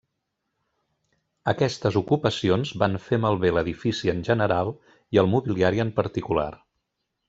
Aquestes ocupacions van fer malbé l'edifici en general i el mobiliari en particular.